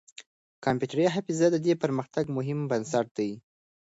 کمپيوټري حافظه د دې پرمختګ مهم بنسټ دی.